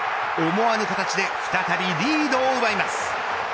思わぬ形で再びリードを奪います。